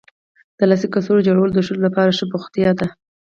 د لاسي کڅوړو جوړول د ښځو لپاره ښه بوختیا ده.